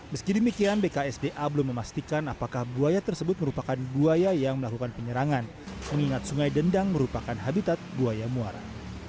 meski demikian bksda belum memastikan apakah buaya tersebut merupakan buaya yang melakukan penyerangan mengingat sungai dendang merupakan habitat buaya muara